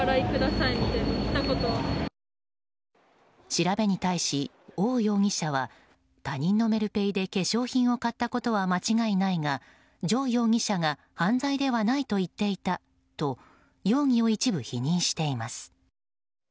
調べに対し、オウ容疑者は他人のメルペイで化粧品を買ったことは間違いないがジョ容疑者が犯罪ではないと言っていたと容疑を一部、否認しています。